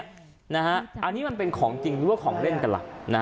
อันนี้มันเป็นของจริงหรือว่าของเล่นกันล่ะ